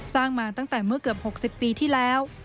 สร้างมาตั้งแต่เมื่อเกือบ๖๐ปีที่แล้ว